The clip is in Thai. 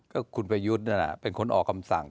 ก็คุณประยุทธ์นั่นแหละเป็นคนออกคำสั่ง